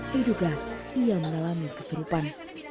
diduga ia mengalami kesurupan